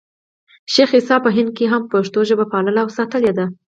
شېخ عیسي په هند کښي هم پښتو ژبه پاللـې او ساتلې ده.